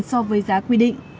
so với giá quy định